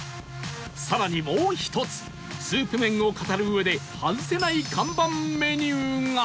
さらにもう一つ Ｓｏｕｐｍｅｎ を語る上で外せない看板メニューが